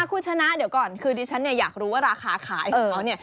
คุณชนะเดี๋ยวก่อนคือดิฉันเนี่ยอยากรู้ว่าราคาขายของเขาเนี่ย